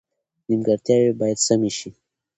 نیمګړتیاوې باید سمې شي.